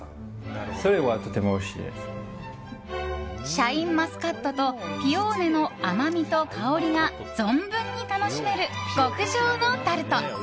シャインマスカットとピオーネの甘みと香りが存分に楽しめる極上のタルト。